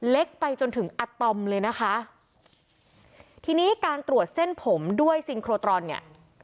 เล็กไปจนถึงอัตอมเลยนะคะทีนี้การตรวจเส้นผมด้วยซิงโครตรอนเนี่ย